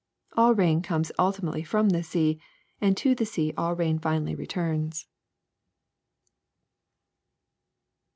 All rain comes ulti mately from the sea, and to the sea all rain finally returns.